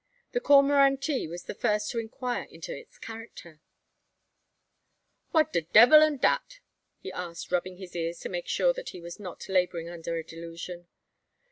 The Coromantee was the first to inquire into its character. "Wha' de debbil am dat?" he asked, rubbing his ears to make sure that he was not labouring under a delusion.